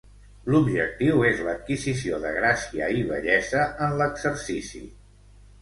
L'objectiu és l'adquisició de gràcia i bellesa en l'exercici.